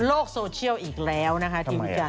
หลุงโซเชียลอีกแล้วนะกองวิจารณ์